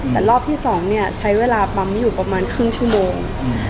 แต่รอบที่๒เนี่ยใช้เวลาปั๊มอยู่ประมาณครึ่งชั่วโมง